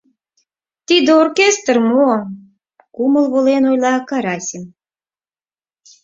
— Тиде оркестр мо? — кумыл волен ойла Карасим.